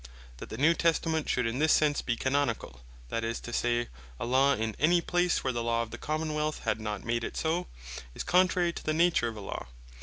That the New Testament should in this sense be Canonicall, that is to say, a Law in any place where the Law of the Common wealth had not made it so, is contrary to the nature of a Law.